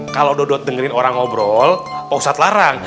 kalau dodot dengerin orang ngobrol ustadz larang